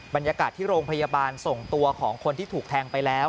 บรรยากาศที่โรงพยาบาลส่งตัวของคนที่ถูกแทงไปแล้ว